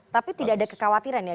tapi tidak ada kekhawatiran ya